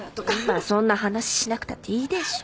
今そんな話しなくたっていいでしょ。